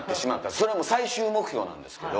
それ最終目標なんですけど。